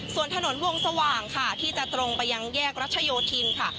ส่วนถนนวงสว่างค่ะที่จะตรงไปยังแยกรัชโยธินค่ะ